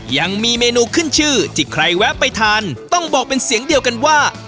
ยังมีเมนูขึ้นชื่อที่ใครแวะไปทานต้องบอกเป็นเสียงเดียวกันว่า